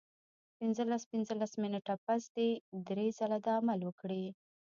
پنځلس پنځلس منټه پس دې دوه درې ځله دا عمل وکړي